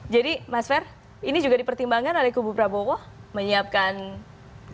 jadi mas fer ini juga dipertimbangkan oleh kubu prabowo menyiapkan mereka